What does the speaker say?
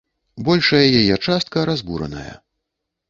Большая яе частка разбураная.